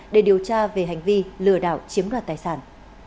để điều tra về hành vi lừa đảo chiếm đoạt tài sản